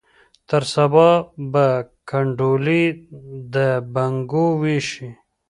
تر سبا به کنډولي د بنګو ویشي